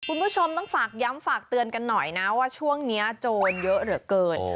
คุณผู้ชมต้องฝากย้ำฝากเตือนกันหน่อยนะว่าช่วงนี้โจรเยอะเหลือเกิน